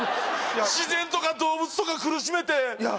自然とか動物とか苦しめていや